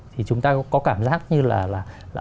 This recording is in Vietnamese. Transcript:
thì chúng ta có cảm giác như là